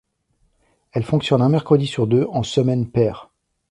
Elle fonctionne un mercredi sur deux en semaines paires.